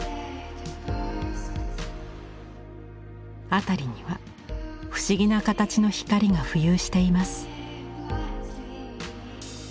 辺りには不思議な形の光が浮遊しています。